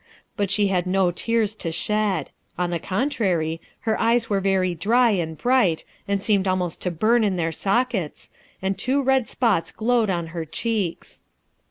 But she had no tears to .shed; on the contrary her eyes were very dry and bright and seemed almost to burn in their sockets, and two red spots glowed on her cheeks.